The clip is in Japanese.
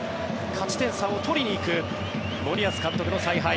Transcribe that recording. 勝ち点３を取りに行く森保監督の采配。